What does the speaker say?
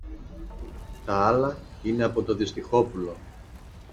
Τ' άλλα είναι από το Δυστυχόπουλο.